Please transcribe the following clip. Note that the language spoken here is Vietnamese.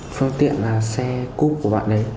phương tiện là xe cúp của bạn đấy